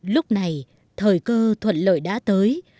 lúc này thời cơ thuận lợi đã tới